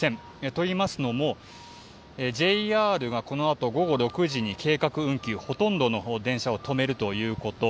といいますのもＪＲがこのあと午後６時に計画運休、ほとんどの電車を止めるということ。